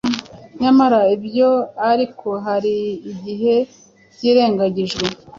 Nyamara ibyo ariko hari igihe byirengagijwe.